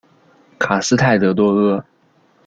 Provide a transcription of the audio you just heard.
卡斯泰德多阿。